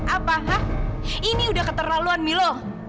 apa ini udah keterlaluan milo